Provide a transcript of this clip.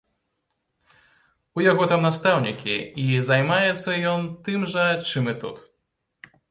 У яго там настаўнікі, і займаецца ён тым жа, чым і тут.